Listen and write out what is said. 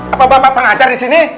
apa bapak pengacar di sini